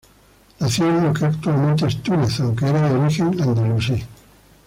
Nació en lo que actualmente es Túnez, aunque era de origen andalusí.